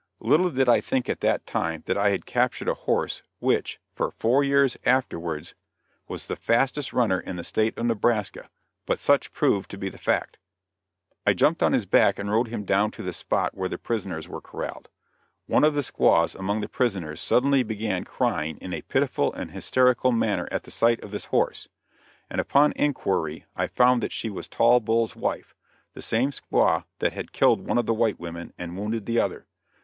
Little did I think at that time that I had captured a horse which, for four years afterwards was the fastest runner in the state of Nebraska, but such proved to be the fact. [Illustration: THE KILLING OF TALL BULL.] I jumped on his back and rode him down to the spot where the prisoners were corraled. One of the squaws among the prisoners suddenly began crying in a pitiful and hysterical manner at the sight of this horse, and upon inquiry I found that she was Tall Bull's wife, the same squaw that had killed one of the white women and wounded the other.